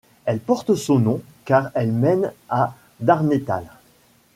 Elle porte ce nom car elle mène à Darnétal.